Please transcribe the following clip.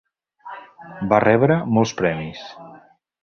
Va rebre molts premis.